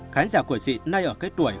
khán giả của chị nay ở cái tuổi